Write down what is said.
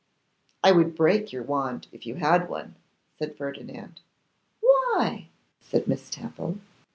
'I would break your wand, if you had one,' said Ferdinand. 'Why?' said Miss Temple.